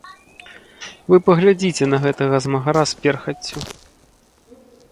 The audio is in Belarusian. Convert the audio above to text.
Вы паглядзіце на гэтага змагара з перхаццю.